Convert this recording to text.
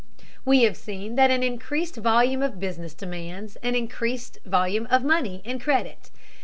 We have seen that an increased volume of business demands an increased volume of money and credit.